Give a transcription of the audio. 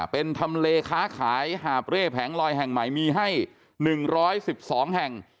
เป็นทำเลค้าขายหาบเร่แผงลอยแห่งใหม่มีให้๑๑๒แห่ง